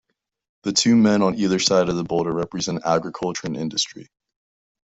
The two men on either side of the boulder represent agriculture and industry.